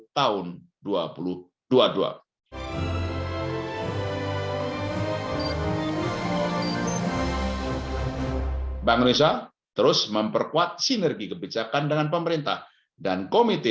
tahun dua ribu dua puluh dua bank indonesia terus memperkuat sinergi kebijakan dengan pemerintah dan komite